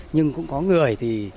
nhưng cũng có người thì